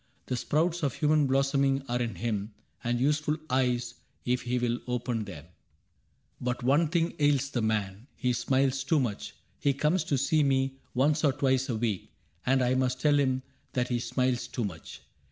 The sprouts of human blossoming are in him, And useful eyes — if he will open them ; 40 CAPTAIN CRAIG But one thing ails the man. He smiles too much. He comes to see me once or twice a week. And I must tell him that he smiles too much.